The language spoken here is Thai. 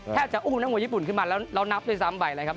แทบจะอุ้มทางหัวญี่ปุ่นขึ้นมาแล้วเรานับด้วยซ้ำไวต์เลยครับ